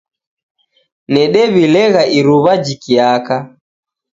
Nedew'ilegha iruwa jikiaka.